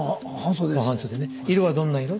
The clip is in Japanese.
色はどんな色？